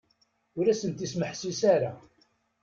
Ur asent-ismeḥsis ara.